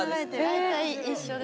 大体一緒ですね！